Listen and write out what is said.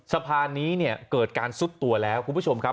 สะพานนี้เนี่ยเกิดการซุดตัวแล้วคุณผู้ชมครับ